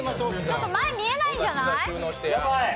ちょっと、前見えないんじゃない？